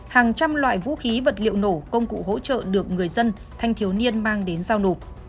hàng trăm loại vũ khí vật liệu nổ công cụ hỗ trợ được người dân thanh thiếu niên mang đến giao nộp